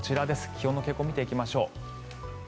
気温の傾向を見ていきましょう。